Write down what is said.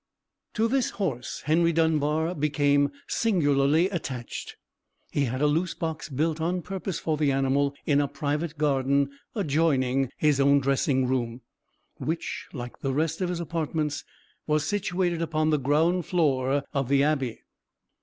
To this horse Henry Dunbar became singularly attached. He had a loose box built on purpose for the animal in a private garden adjoining his own dressing room, which, like the rest of his apartments, was situated upon the ground floor of the abbey.